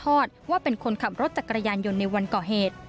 มือปืนสัตว์ทอดว่าเป็นคนขับรถจากกระยานยนต์ในวันก่อเหตุ